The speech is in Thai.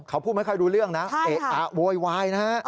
เขาพูดไม่ค่อยรู้เรื่องนะโวยวายนะ